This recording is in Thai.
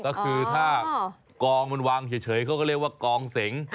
ก็คือถ้ากองมันวางเฉยเขาก็เรียกว่ากองเสง